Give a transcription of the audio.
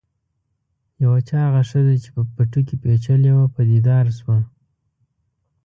یوه چاغه ښځه چې په پټو کې پیچلې وه پدیدار شوه.